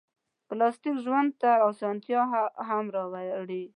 پلاستيک ژوند ته اسانتیا هم راوړي.